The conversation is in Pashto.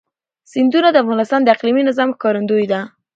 سیندونه د افغانستان د اقلیمي نظام ښکارندوی ده.